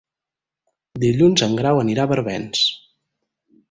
Dilluns en Grau anirà a Barbens.